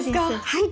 はい。